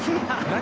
「何？